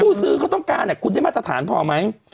ซื้อเขาต้องการคุณได้มาตรฐานพอไหม